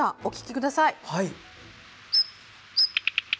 お聞きください。